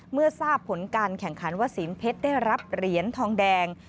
เมื่อทราบผลการแข่งขันว่าศีลเพชรได้รับเหรียญทองแดง